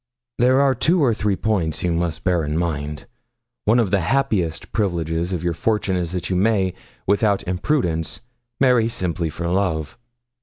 'There are two or three points you must bear in mind. One of the happiest privileges of your fortune is that you may, without imprudence, marry simply for love.